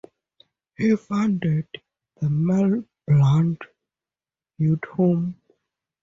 He founded the Mel Blount Youth Home.